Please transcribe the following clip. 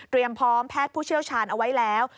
พร้อมแพทย์ผู้เชี่ยวชาญเอาไว้แล้ว